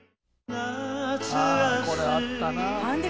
ああこれあったな。